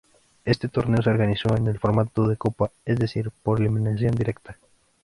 Este Torneo se organizó en el formato de Copa, es decir, por eliminación directa.